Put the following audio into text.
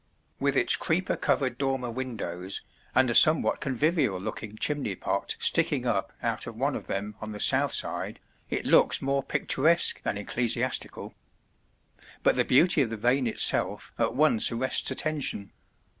With its creeper covered dormer windows and a somewhat convivial looking chimney pot sticking up out of one of them on the south side, it looks more picturesque than ecclesiastical; but the beauty of the vane itself at once arrests attention.